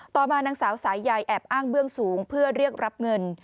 ต่อมานางสาวสายใยแอบอ้างเบื้องสูงเพื่อเรียกรับเงิน